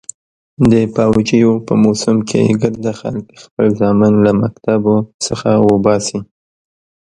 د پوجيو په موسم کښې ګرده خلك خپل زامن له مكتبو څخه اوباسي.